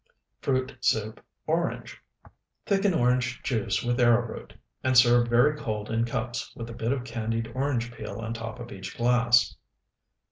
FRUIT SOUP (ORANGE) Thicken orange juice with arrowroot, and serve very cold in cups with a bit of candied orange peel on top of each glass.